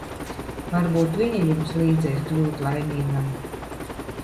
Varbūt viņa jums līdzēs kļūt laimīgam.